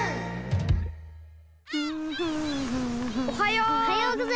おはよう！